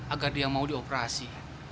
agar dia mau dioperasi